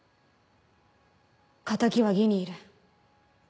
敵は魏にいる。